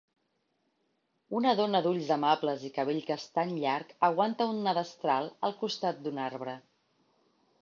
Una dona d'ulls amables i cabell castany llarg aguanta una destral al costat d'un arbre.